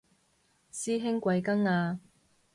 師兄貴庚啊